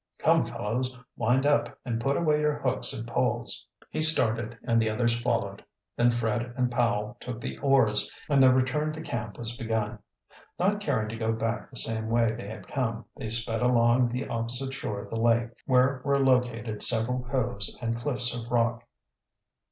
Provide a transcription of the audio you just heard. "Come, fellows, wind up and put away your hooks and poles." He started and the others followed. Then Fred and Powell took the oars, and the return to camp was begun. Not caring to go back the same way they had come, they sped along the opposite shore of the lake, where were located several coves and cliffs of rock.